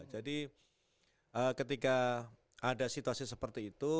jadi ketika ada situasi seperti itu